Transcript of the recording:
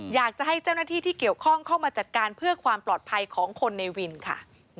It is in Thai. อยากจะให้เจ้าหน้าที่ที่เกี่ยวข้องเข้ามาจัดการเพื่อความปลอดภัยของคนในวินค่ะ